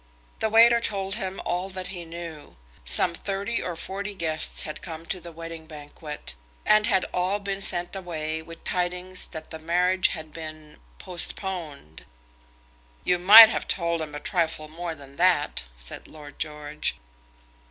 The waiter told him all that he knew. Some thirty or forty guests had come to the wedding banquet, and had all been sent away with tidings that the marriage had been postponed. "You might have told 'em a trifle more than that," said Lord George.